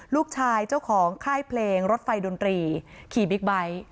เจ้าของค่ายเพลงรถไฟดนตรีขี่บิ๊กไบท์